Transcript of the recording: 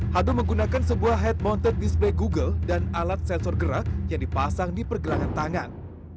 hado menggunakan sebuah head mounted display google dan alat sensor gerak yang dipasang di pergelangan tangan